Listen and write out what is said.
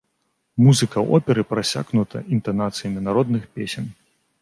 Музыка оперы прасякнута інтанацыямі народных песень.